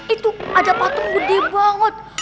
itu ada patung gede banget